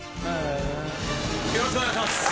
よろしくお願いします！